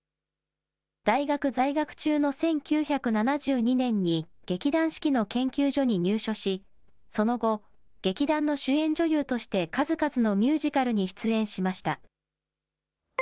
大学在学中の１９７２年に劇団四季の研究所に入所し、その後、劇団の主演女優として数々のミュージカルに出演しました。